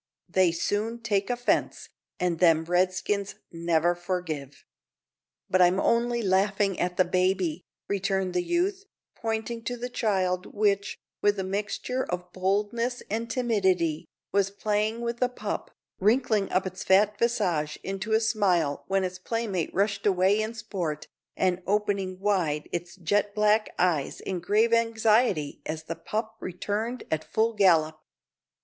They soon take offence; an' them Redskins never forgive." "But I'm only laughing at the baby," returned the youth, pointing to the child, which, with a mixture of boldness and timidity, was playing with a pup, wrinkling up its fat visage into a smile when its playmate rushed away in sport, and opening wide its jet black eyes in grave anxiety as the pup returned at full gallop.